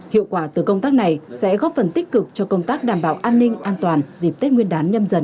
hiệu quả từ công tác này sẽ góp phần tích cực cho công tác đảm bảo an ninh an toàn dịp tết nguyên đán nhâm dần hai nghìn hai mươi hai